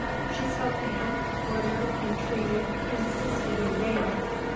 She spoke to him, ordered, entreated, insisted in vain.